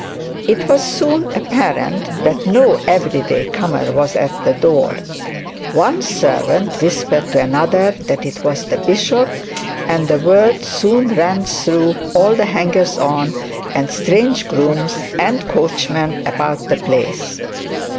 It was soon apparent that no every day comer was at the door. One servant whispered to another that it was the bishop, and the word soon ran through all the hangers on and strange grooms and coachmen about the place.